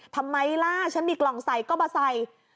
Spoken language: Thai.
ทำไมล่ะฉันมีกล่องใส่ก็มาใส่